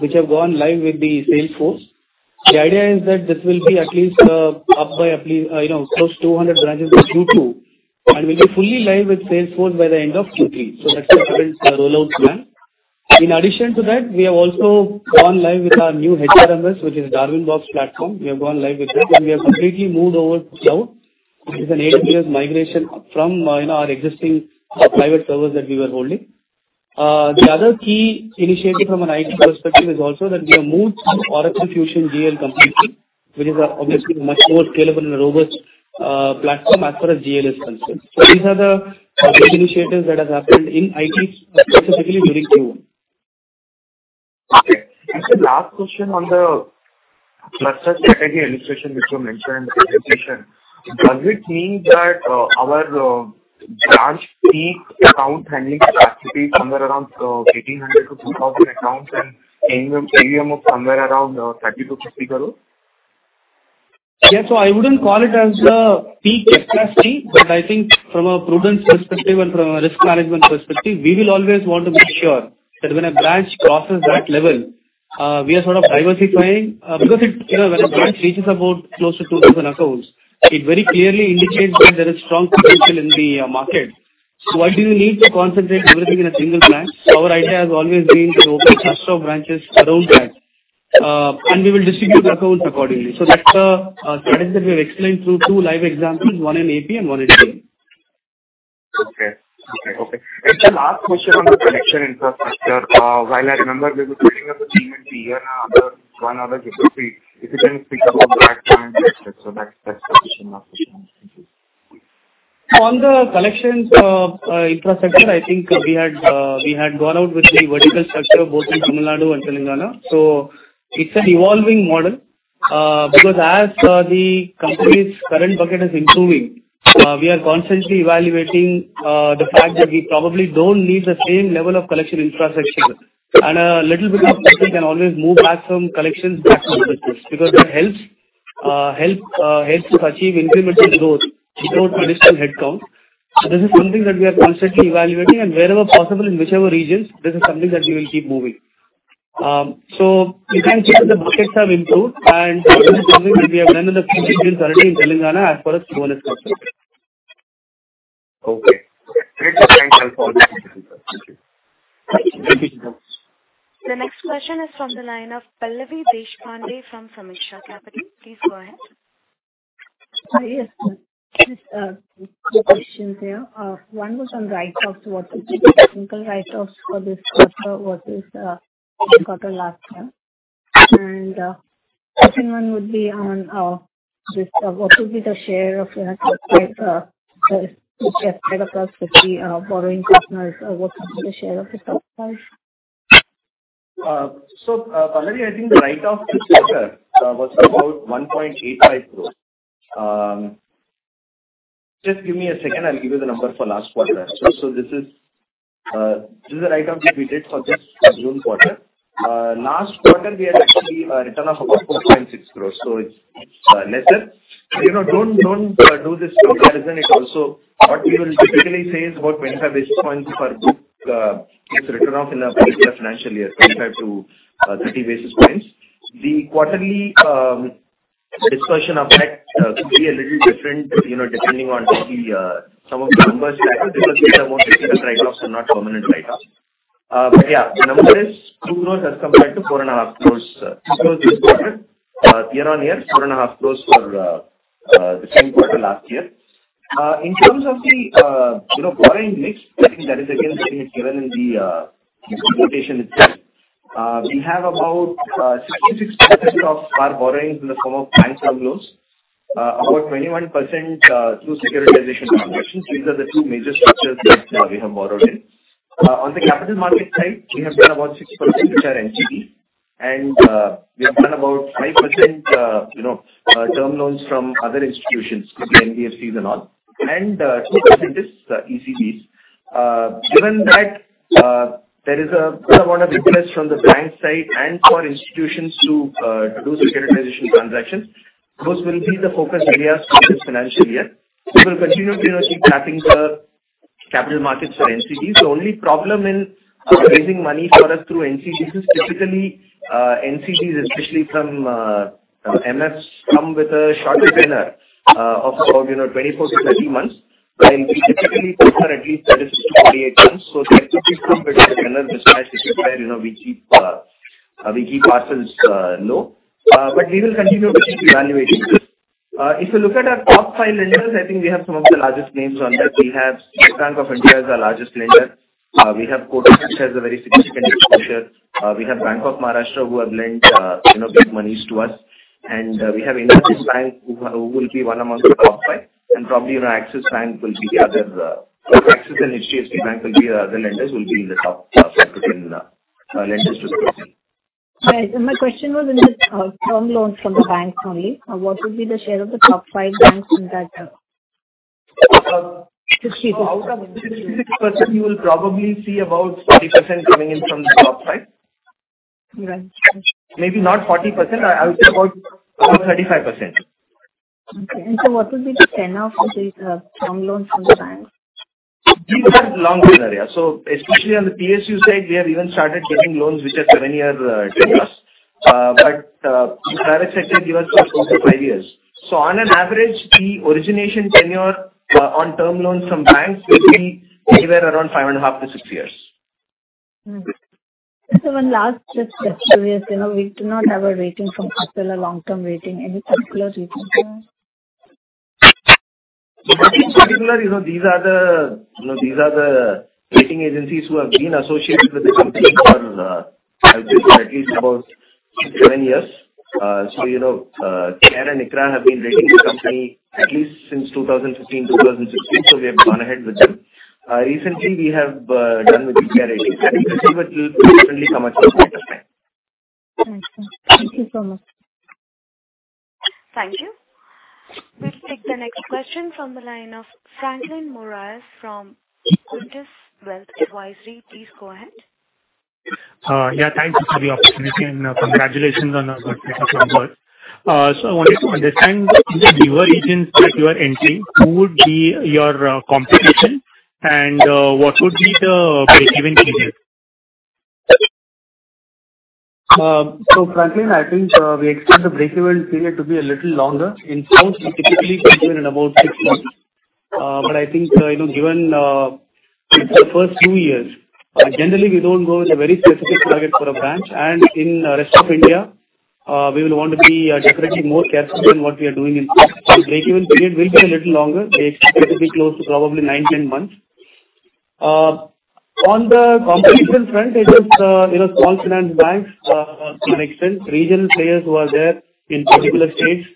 which have gone live with the Salesforce. The idea is that this will be at least up by at least, you know, close to 200 branches in Q2, and we'll be fully live with Salesforce by the end of Q3. That's our current rollout plan. In addition to that, we have also gone live with our new HRMS, which is Darwinbox platform. We have gone live with that, and we have completely moved over to cloud. It is an AWS migration from, you know, our existing private servers that we were holding. The other key initiative from an IT perspective is also that we have moved to Oracle Fusion GL completely, which is obviously much more scalable and a robust platform as far as GL is concerned. These are the big initiatives that has happened in IT, specifically during Q1. Okay. The last question on the cluster strategy illustration, which you mentioned in the presentation. Does it mean that our large peak account handling capacity is somewhere around 1,800-2,000 accounts and AUM of somewhere around INR 30 crore-INR 50 crore? Yeah. I wouldn't call it as a peak capacity, but I think from a prudence perspective and from a risk management perspective, we will always want to make sure that when a branch crosses that level, we are sort of diversifying, because it, you know, when a branch reaches about close to 2,000 accounts, it very clearly indicates that there is strong potential in the market. Why do you need to concentrate everything in a single branch? Our idea has always been to open cluster of branches around that, and we will distribute accounts accordingly. That's the strategy that we have explained through two live examples, one in AP and one in TN. Okay. the last question on the collection infrastructure, while I remember there was speaking of achievement year-on-year, one other efficiency, efficiency pick up on that front, et cetera. That's, the question, last question. Thank you. On the collections infrastructure, I think we had, we had gone out with the vertical structure both in Tamil Nadu and Telangana. It's an evolving model, because as the company's current bucket is improving, we are constantly evaluating the fact that we probably don't need the same level of collection infrastructure. A little bit of people can always move back from collections back to business, because that helps helps to achieve incremental growth without additional headcount. This is something that we are constantly evaluating, and wherever possible, in whichever regions, this is something that we will keep moving. You can check that the buckets have improved, and we have done in the previous already in Telangana as far as Q1 is concerned. Okay. Great. Thank you. The next question is from the line of Pallavi Deshpande from Sameeksha Capital. Please go ahead. Hi. Yes, sir. Just 2 questions here. One was on write-offs. What was the technical write-offs for this quarter versus quarter last year? Second one would be on this, what would be the share of borrowing customers? What would be the share of the top 5? Pallavi, I think the write-off this quarter was about 1.85 crore. Just give me a second, I'll give you the number for last quarter as well. This is, this is a write-off that we did for this June quarter. Last quarter we had actually a return of about 4.6 crore. It's lesser. You know, don't, don't do this comparison it also... What we will typically say is about 25 basis points per book is written off in a particular financial year, 25-30 basis points. The quarterly, dispersion effect could be a little different, you know, depending on the some of the numbers, because these are more specific write-offs and not permanent write-offs. Yeah, the number is 2 crore as compared to 4.5 crore this quarter, year-on-year, 4.5 crore for the same quarter last year. In terms of the, you know, borrowing mix, I think that is again being given in the presentation itself. We have about 66% of our borrowings in the form of bank term loans, about 21% through securitization transactions. These are the two major structures that we have borrowed in. On the capital market side, we have done about 60%, which are NCD, and we have done about 5%, you know, term loans from other institutions, could be NBFCs and all, and 2% is ECS. Given that there is a bit of an interest from the bank side and for institutions to do securitization transactions, those will be the focus areas for this financial year. We will continue to, you know, keep tapping the capital markets for NCDs. The only problem in raising money for us through NCDs is typically, NCDs, especially from MFs, come with a shorter tenure of about, you know, 24 to 30 months. We typically prefer at least 36 to 48 months, so there could be some bit of a tenure mismatch required, you know, we keep, we keep parcels low. We will continue to keep evaluating this. If you look at our top five lenders, I think we have some of the largest names on that. We have State Bank of India is our largest lender. We have Kotak, which has a very significant exposure. We have Bank of Maharashtra, who have lent, you know, big monies to us. We have IndusInd Bank, who will be one among the top five. Probably, you know, Axis Bank will be the other, Axis and HSBC Bank will be, the lenders will be in the top, top seven lenders to the company. Right. My question was in the term loans from the banks only, what would be the share of the top five banks in that?... out of 66%, you will probably see about 40% coming in from the top side. Right. Maybe not 40%. I, I would say about 35%. Okay, what will be the tenure for these, term loans from the bank? These are long term, yeah. Especially on the PSU side, we have even started taking loans which are 7-year tenures. Private sector give us 4-5 years. On an average, the origination tenure on term loans from banks will be anywhere around 5.5-6 years. One last just question is, you know, we do not have a rating from ICRA, a long-term rating. Any particular reason for that? Nothing particular. You know, these are the, you know, these are the rating agencies who have been associated with this company for, I think at least about 7 years. You know, CARE and ICRA have been rating the company at least since 2015, 2016, so we have gone ahead with them. Recently we have done with the CRA rating. It will definitely come up with some time. Thank you. Thank you so much. Thank you. We'll take the next question from the line of Franklin Moraes from Otis Wealth Advisory. Please go ahead. Yeah, thanks for the opportunity and congratulations on a good quarter as well. I wanted to understand in the newer regions that you are entering, who would be your competition, and what would be the breakeven period? Franklin, I think, we expect the breakeven period to be a little longer. In South, we typically break even in about 6 months. I think, you know, given, it's the first few years, generally we don't go with a very specific target for a branch. In rest of India, we will want to be, definitely more careful than what we are doing in South. Breakeven period will be a little longer. It expect to be close to probably 9-10 months. On the competition front, I think, you know, small finance banks, to an extent, regional players who are there in particular states.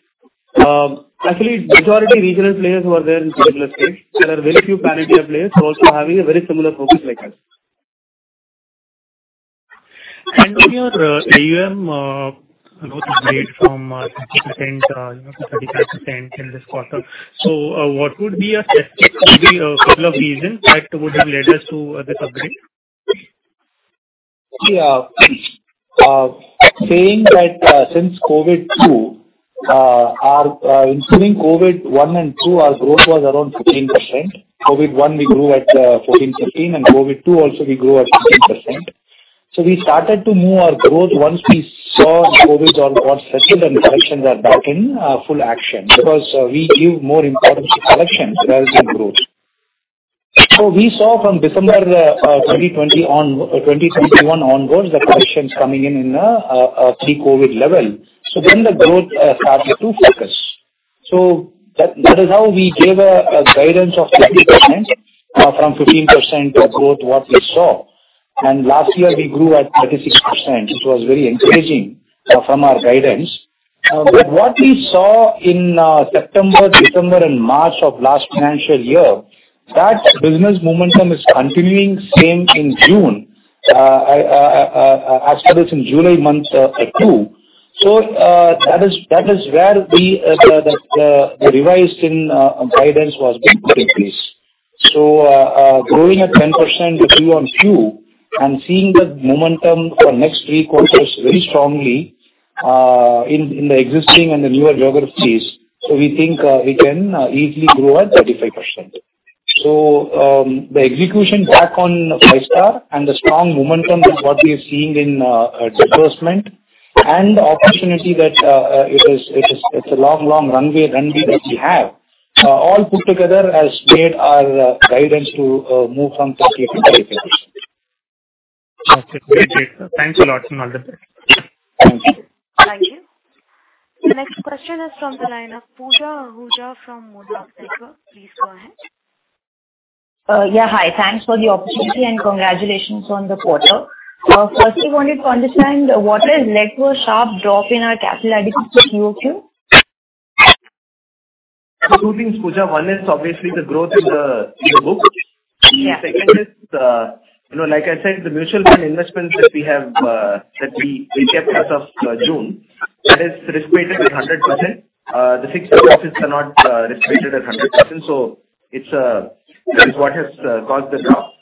Actually, majority regional players who are there in particular states. There are very few pan-India players who also having a very similar focus like us. On your AUM growth rate from 30%, you know, to 35% in this quarter. What would be a specific, maybe, couple of reasons that would have led us to this upgrade? Yeah. Saying that, since COVID-2, our, including COVID-1 and 2, our growth was around 15%. COVID-1, we grew at 14, 15, and COVID-2, also we grew at 15%. We started to move our growth once we saw COVID all got settled and collections are back in full action, because we give more importance to collections rather than growth. We saw from December 2020 on... 2021 onwards, the collections coming in in a pre-COVID level. Then the growth started to focus. That, that is how we gave a guidance of 30% from 15% growth what we saw. Last year we grew at 36%. It was very encouraging from our guidance. What we saw in September, December and March of last financial year, that business momentum is continuing same in June, as well as in July month, too. That is, that is where we the revised in guidance was being put in place. Growing at 10% Q on Q and seeing the momentum for next 3 quarters very strongly, in the existing and the newer geographies. We think we can easily grow at 35%. The execution back on Five-Star and the strong momentum is what we are seeing in disbursement and the opportunity that it's a long, long runway run that we have all put together has made our guidance to move from 30 to 35. Okay. Great, great. Thanks a lot and all the best. Thank you. Thank you. The next question is from the line of Pooja Ahuja from Kotak Securities. Please go ahead. Yeah, hi. Thanks for the opportunity and congratulations on the quarter. First we wanted to understand what has led to a sharp drop in our capital adequacy in Q2? Two things, Pooja. One is obviously the growth in the, in the book. Yeah. Second is, you know, like I said, the mutual fund investments that we have, that we kept as of June, that is risk-weighted 100%. The fixed deposits are not risk-weighted at 100%, so it's, what has caused the drop.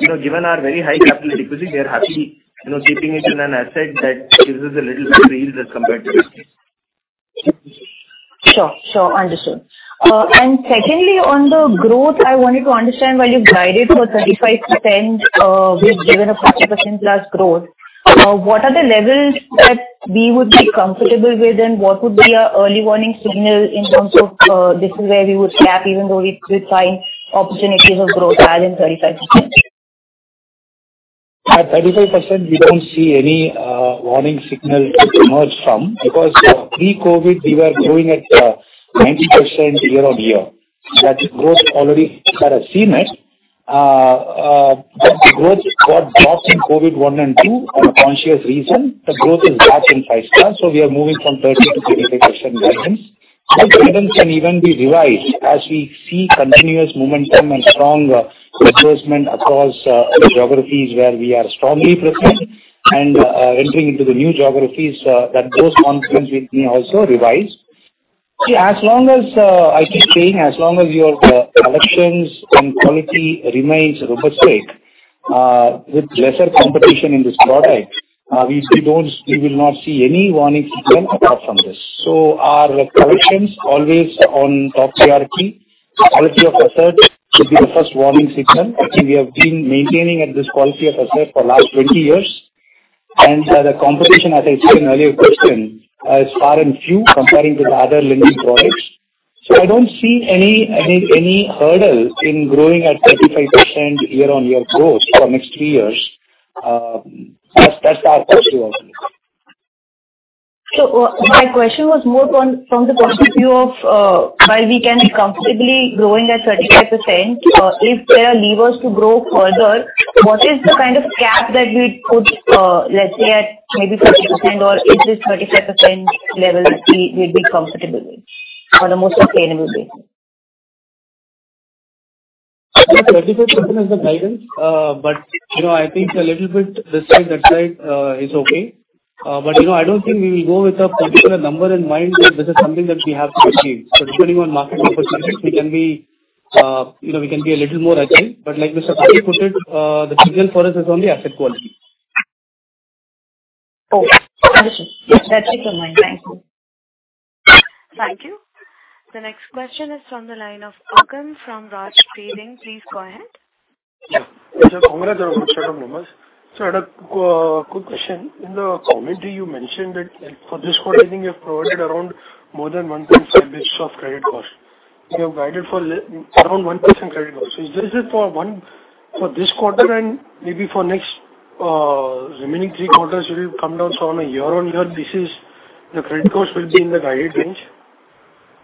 You know, given our very high capital adequacy, we are happy, you know, keeping it in an asset that gives us a little more yield as compared to this. Sure. understood. Secondly, on the growth, I wanted to understand while you've guided for 35%, we've given a 50% plus growth, what are the levels that we would be comfortable with, and what would be a early warning signal in terms of, this is where we would cap even though we, we find opportunities of growth adding 35%? At 35%, we don't see any warning signal to emerge from, because pre-Covid we were growing at 90% year-on-year. That growth already had seen it. The growth got dropped in Covid-1 and 2 on a conscious reason. The growth is back in Five-Star, so we are moving from 30%-35% guidance. That guidance can even be revised as we see continuous momentum and strong across geographies where we are strongly present and entering into the new geographies, that those confluence we may also revise. See, as long as I keep saying, as long as your collections and quality remains robust rate, with lesser competition in this product, we, we don't-- we will not see any warning signal apart from this. Our collections always on top priority. Quality of assets should be the first warning signal, which we have been maintaining at this quality of asset for last 20 years. The competition, as I said in earlier question, is far and few comparing to the other lending products. I don't see any, any, any hurdle in growing at 35% year-on-year growth for next 3 years. That's, that's our view of it. My question was more on from the perspective of, while we can be comfortably growing at 35%, if there are levers to grow further, what is the kind of cap that you'd put, let's say, at maybe 50%, or is this 35% level we, we'd be comfortable with, on a most sustainable basis? 35% is the guidance. You know, I think a little bit this side, that side, is okay. You know, I don't think we will go with a particular number in mind that this is something that we have to achieve. Depending on market opportunities, we can be, you know, we can be a little more aggressive. Like Lakshmipathy Deenadayalan put it, the signal for us is on the asset quality. Oh, understood. That's in my mind. Thank you. Thank you. The next question is from the line of Agam from Raj Trading. Please go ahead. Yeah. Mr. Agam from Raj Trading. I had a quick question. In the commentary you mentioned that for this quarter, I think you have provided around more than 1% base of credit cost. You have guided for around 1% credit cost. Is this for 1, for this quarter and maybe for next, remaining 3 quarters will come down. On a year-on-year basis, the credit cost will be in the guided range?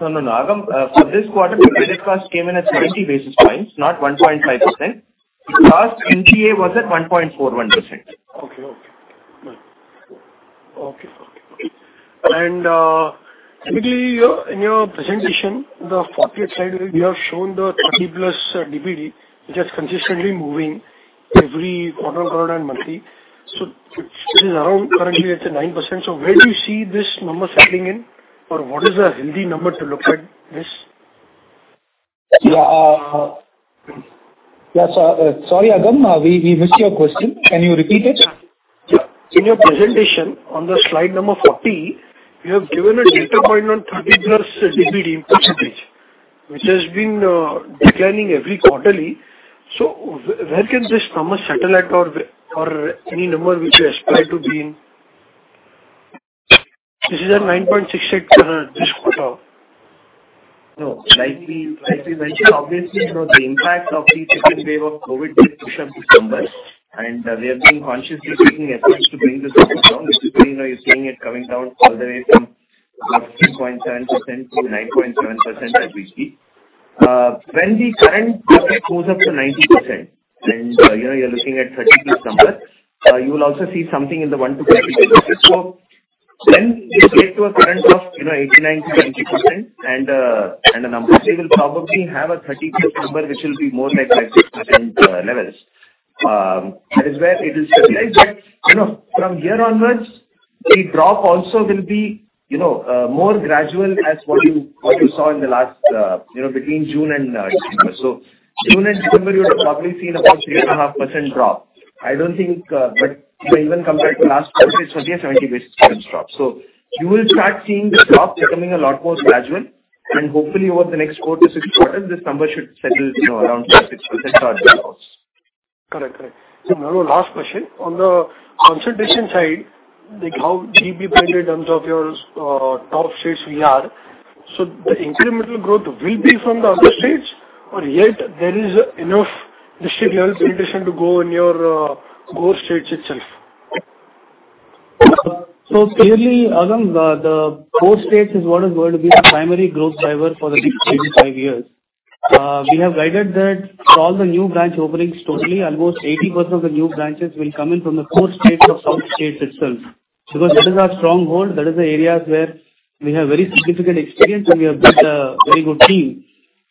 No, no, no. Agam, for this quarter, the credit cost came in at 70 basis points, not 1.5%. Last NPA was at 1.41%. Okay. Okay. Okay. Typically in your presentation, the fourth page slide, you have shown the 30-plus DPD, which is consistently moving every quarter, quarter, and monthly. It's around currently it's at 9%. Where do you see this number settling in, or what is a healthy number to look at this? Yeah, sorry, Agam, we missed your question. Can you repeat it? Yeah. In your presentation on the slide number 40, you have given a data point on 30-plus DPD in %, which has been declining every quarterly. Where can this number settle at or any number which you aspire to be in? This is at 9.68 for this quarter. Like we, like we mentioned, obviously, you know, the impact of the second wave of COVID did push up the numbers, and we are being consciously taking efforts to bring this number down. Which is why, you know, you're seeing it coming down further from 10.7% to 9.7% as we see. When the current goes up to 90%, then, you know, you're looking at 30+ numbers. You will also see something in the 1%-20%. When you get to a current of, you know, 89%-90% and the numbers, you will probably have a 30+ number, which will be more like 30% levels. That is where it is stabilized. You know, from here onwards, the drop also will be, you know, more gradual as what you, what you saw in the last, you know, between June and December. June and December, you would have probably seen about 3.5% drop. I don't think, but, you know, even compared to last quarter, it's only a 70 basis points drop. You will start seeing the drop becoming a lot more gradual, and hopefully over the next 4-6 quarters, this number should settle, you know, around 5%, 6% or below. Correct. Now the last question. On the concentration side, like, how GB-driven in terms of your top states we are, so the incremental growth will be from the other states, or yet there is enough district level penetration to go in your core states itself? Clearly, Agam, the core states is what is going to be the primary growth driver for the next 3-5 years. We have guided that for all the new branch openings totally, almost 80% of the new branches will come in from the core states or south states itself, because that is our stronghold, that is the areas where we have very significant experience, and we have built a very good team.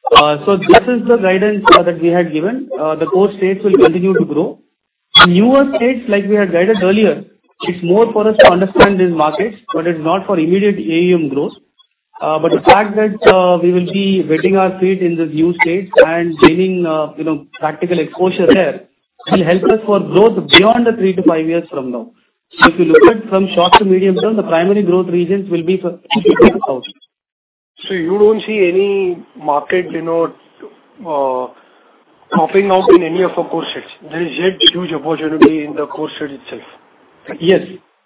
This is the guidance that we had given. The core states will continue to grow. The newer states, like we had guided earlier, it's more for us to understand these markets, but it's not for immediate AUM growth. The fact that we will be wetting our feet in the new states and gaining, you know, practical exposure there, will help us for growth beyond the 3 to 5 years from now. If you look at from short to medium term, the primary growth regions will be for South. You don't see any market, you know, popping out in any of the core states? There is yet huge opportunity in the core state itself. Yes,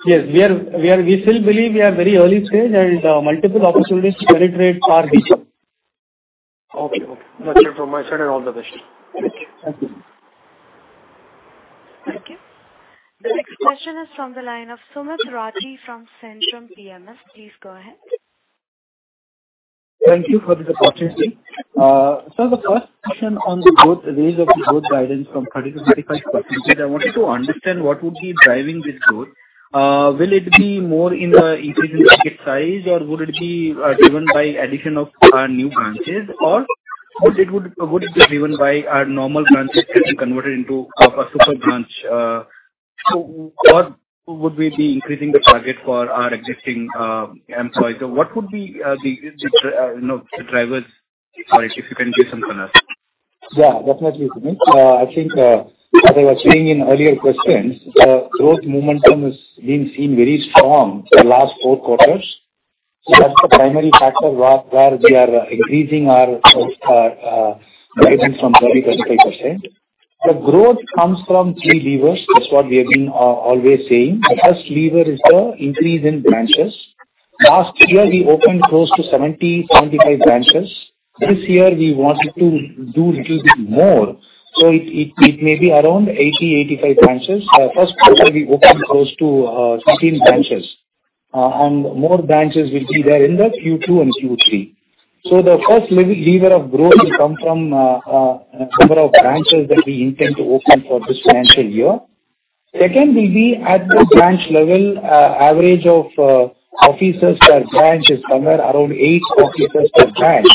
yes, we are. We still believe we are very early stage and multiple opportunities to penetrate are there. Okay. Okay. That's it from my side. All the best. Thank you. Thank you. The next question is from the line of Sumit Rathi from Centrum PMS. Please go ahead. Thank you for this opportunity. The first question on the growth, raise of the growth guidance from 30% to 35%, I wanted to understand what would be driving this growth?... will it be more in the increase in ticket size, or would it be driven by addition of new branches, or would it be driven by our normal branches being converted into a super branch? What would we be increasing the target for our existing employees? What would be the, the, you know, the drivers for it, if you can give some color? Yeah, definitely, Sumit. I think, as I was saying in earlier questions, the growth momentum has been seen very strong the last four quarters. That's the primary factor where, where we are increasing our guidance from 30%-35%. The growth comes from 3 levers. That's what we have been always saying. The first lever is the increase in branches. Last year, we opened close to 70-75 branches. This year we wanted to do little bit more, so it, it, it may be around 80-85 branches. First quarter, we opened close to 16 branches. More branches will be there in the Q2 and Q3. The first lever, lever of growth will come from number of branches that we intend to open for this financial year. Second will be at the branch level, average of officers per branch is somewhere around 8 officers per branch.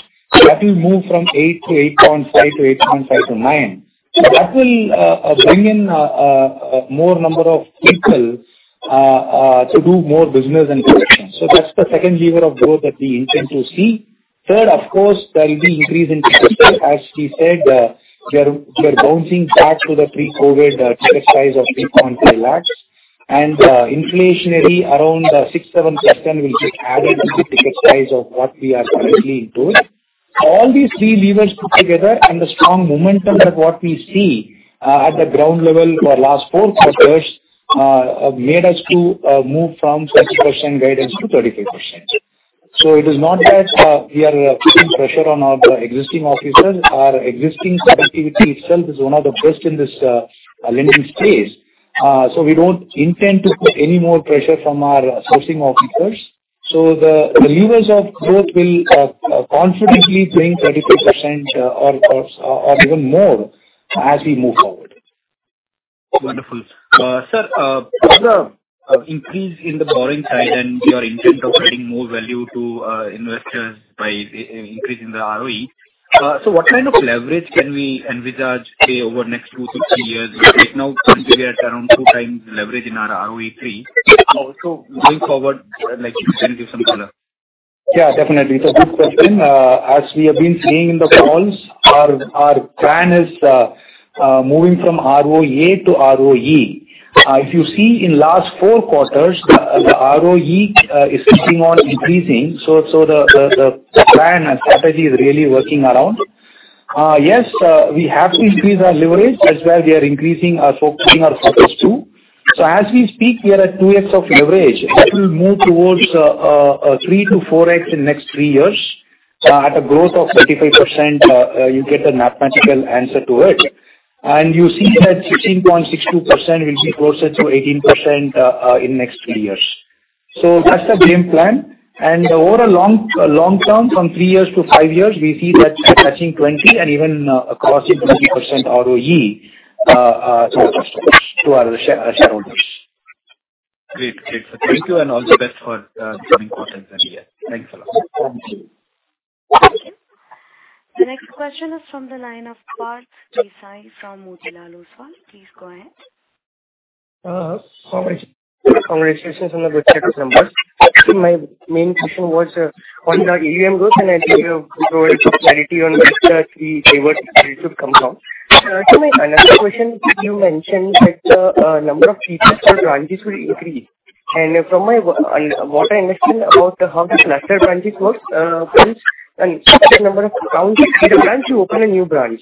That will move from 8-8.5, to 8.5-9. That will bring in more number of people to do more business and transaction. Third, of course, there will be increase in ticket. As we said, we are bouncing back to the pre-COVID ticket size of 3.5 lakhs. Inflationary around 6%-7% will get added to the ticket size of what we are currently doing. All these 3 levers put together and the strong momentum that what we see, at the ground level for last 4 quarters, made us to move from 30% guidance to 35%. It is not that we are putting pressure on our existing officers. Our existing selectivity itself is one of the best in this lending space. We don't intend to put any more pressure from our sourcing officers. The, the levers of growth will confidently bring 35%, or, or, or even more as we move forward. Wonderful. sir, with the increase in the borrowing side and your intent of adding more value to investors by i-increasing the ROE, what kind of leverage can we envisage, say, over the next 2 to 3 years? Right now, we are at around 2 times leverage in our ROE 3. Also, going forward, like, if you can give some color. Yeah, definitely. It's a good question. As we have been saying in the calls, our plan is moving from ROA to ROE. If you see in last 4 quarters, the ROE is keeping on increasing, so the plan and strategy is really working around. Yes, we have to increase our leverage. That's where we are increasing our focusing our focus to. So as we speak, we are at 2x of leverage. That will move towards 3x-4x in the next 3 years. At a growth of 35%, you get the mathematical answer to it. You see that 16.62% will be closer to 18% in the next 3 years. So that's the game plan. Over a long, long term, from 3 years to 5 years, we see that touching 20 and even crossing 20% ROE to our shareholders. Great. Great, sir. Thank you, and all the best for, coming quarters and year. Thanks a lot. Thank you. The next question is from the line of Parth Desai from Motilal Oswal. Please go ahead. Congratulations on the good set of numbers. My main question was on the AUM growth, and I think you provided clarity on where the 3 levers actually come from. My another question, you mentioned that the number of features for branches will increase. From my What I understand about how the cluster branches works, which and certain number of accounts in the branch, you open a new branch.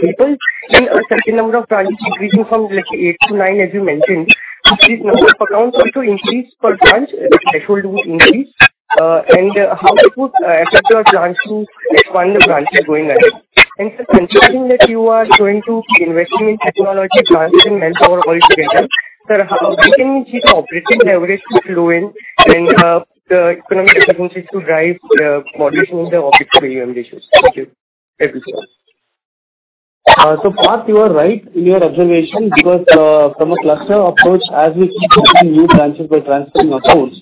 People in a certain number of branches increasing from, like, 8 to 9, as you mentioned, this number of accounts also increase per branch, the threshold will increase. How to attract your branches to expand the branches going ahead? Sir, considering that you are going to investing in technology, branch, and manpower all together, sir, how we can see the operating leverage to grow in and the economic efficiency to drive moderation in the operating ratios? Thank you. Parth, you are right in your observation, because, from a cluster approach, as we keep opening new branches by transferring accounts,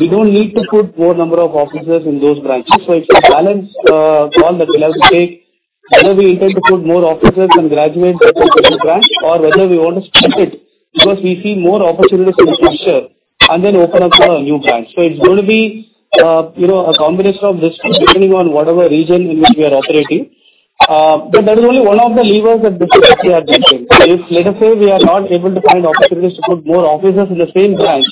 we don't need to put more number of officers in those branches. It's a balanced call that we'll have to take. Whether we intend to put more officers and graduate such a second branch or whether we want to stop it, because we see more opportunities in the future and then open up a new branch. It's going to be, you know, a combination of this, depending on whatever region in which we are operating. That is only one of the levers that we are looking. If, let us say, we are not able to find opportunities to put more officers in the same branch,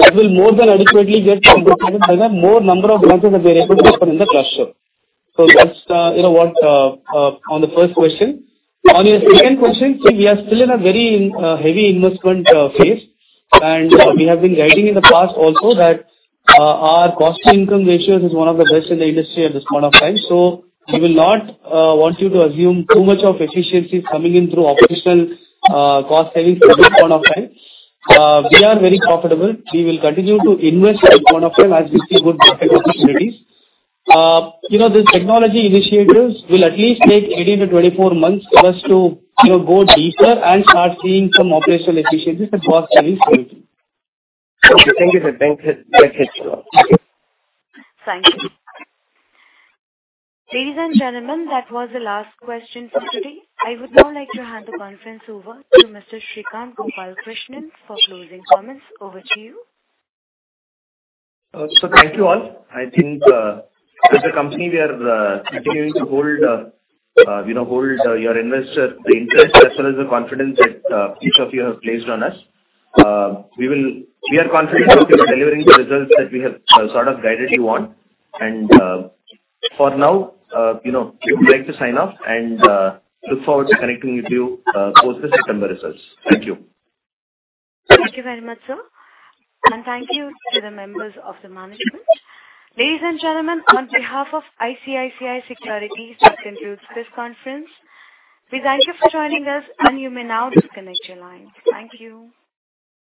that will more than adequately get compensated by the more number of branches that we're able to open in the cluster. So that's, you know what, on the first question. On your second question, we are still in a very in heavy investment phase, and we have been guiding in the past also that our cost to income ratios is one of the best in the industry at this point of time. So we will not want you to assume too much of efficiency coming in through operational cost savings at this point of time. We are very profitable. We will continue to invest at this point of time, as we see good growth opportunities. You know, this technology initiatives will at least take 18-24 months for us to, you know, go deeper and start seeing some operational efficiencies and cost savings coming in. Thank you. Sir. Thank you, sir. Thank you. Ladies and gentlemen, that was the last question for today. I would now like to hand the conference over to Mr. Srikanth Gopalakrishnan for closing comments. Over to you. Thank you all. I think, as a company, we are continuing to hold, you know, hold your investor interest, as well as the confidence that each of you have placed on us. We are confident about delivering the results that we have sort of guided you on. For now, you know, we would like to sign off and look forward to connecting with you, post the September results. Thank you. Thank you very much, sir, and thank you to the members of the management. Ladies and gentlemen, on behalf of ICICI Securities, we conclude this conference. We thank you for joining us, and you may now disconnect your line. Thank you.